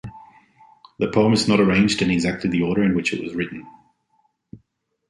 The poem is not arranged exactly in the order in which it was written.